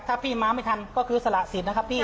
ถ้าพี่มาไม่ทันก็คือสละสิทธิ์นะครับพี่